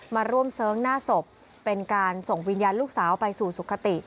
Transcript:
มาร่วมเสริงหน้าศพเป็นการส่งวิญญาณลูกสาวไปสู่สุขติ